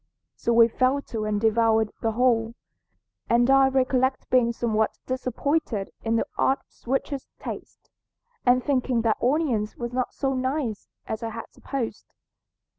So we fell to and devoured the whole, and I recollect being somewhat disappointed in the odd sweetish taste, and thinking that onions were not so nice as I had supposed.